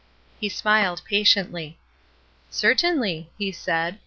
He smiled patiently. "Certainly," he said.